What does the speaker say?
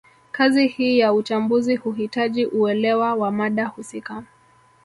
Kazi hii ya uchambuzi huhitaji uelewa wa mada husika